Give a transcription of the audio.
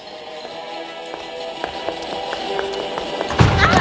あっ